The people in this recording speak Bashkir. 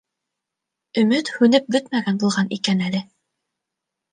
Өмөт һүнеп бөтмәгән булған икән әле.